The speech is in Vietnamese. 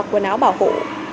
quần áo bảo hộ